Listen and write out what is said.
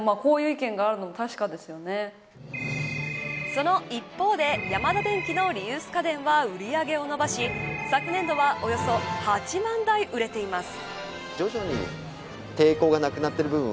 その一方でヤマダデンキのリユース家電は売り上げを伸ばし昨年度はおよそ８万台売れています。